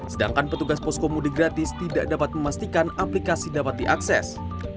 sedangkan petugas posko mudik gratis tidak dapat memastikan aplikasi dapat diakses